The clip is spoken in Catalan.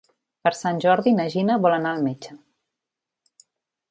Per Sant Jordi na Gina vol anar al metge.